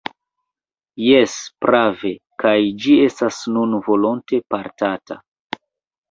Jes, prave, kaj ĝi estas nun volonte portata.